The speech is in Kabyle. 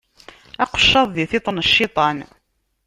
Aqeccaḍ di tiṭ n cciṭan.